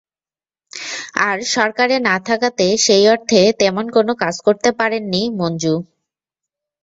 আর সরকারে না থাকাতে সেই অর্থে তেমন কোনো কাজ করতে পারেননি মঞ্জু।